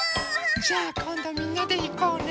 じゃあこんどみんなでいこうね。